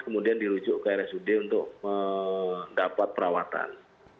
kemudian dirujuk ke rsud untuk mendapat perawatan